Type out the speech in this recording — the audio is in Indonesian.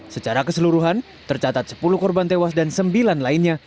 secara keseluruhan tercatat sepuluh korban tewas dan sembilan lainnya